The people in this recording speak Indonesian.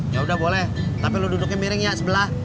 ya udah boleh tapi lu duduknya miring ya sebelah